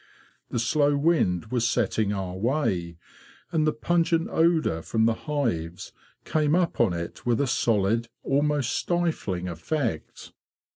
The slow wind was setting our way, and the pungent odour from the hives came up on it with a solid, almost stifling, effect.